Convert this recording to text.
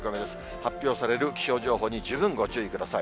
発表される気象情報に十分ご注意ください。